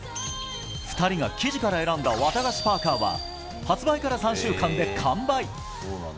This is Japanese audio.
２人が生地から選んだワタガシパーカは発売から３週間で完売。